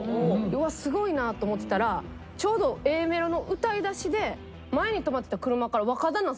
うわっすごいなと思ってたらちょうどＡメロの歌いだしで前に止まってた車から若旦那さん降りてきたんです。